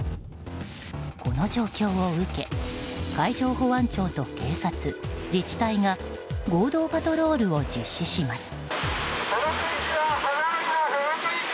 この状況を受け海上保安庁と警察自治体が合同パトロールを実施します。